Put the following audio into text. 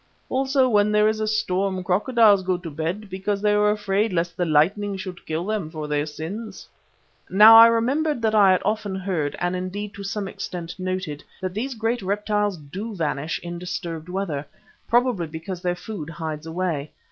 Also when there is a storm crocodiles go to bed because they are afraid lest the lightning should kill them for their sins." Now I remembered that I had often heard, and indeed to some extent noted, that these great reptiles do vanish in disturbed weather, probably because their food hides away.